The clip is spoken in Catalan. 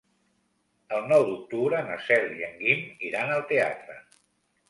El nou d'octubre na Cel i en Guim iran al teatre.